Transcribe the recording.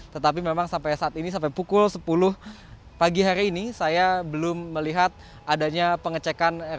tetapi memang sampai saat ini sampai pukul sepuluh pagi hari ini saya belum melihat adanya pengecekan